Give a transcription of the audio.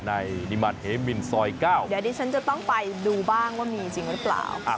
นิมาตรเหมินซอย๙เดี๋ยวดิฉันจะต้องไปดูบ้างว่ามีจริงหรือเปล่า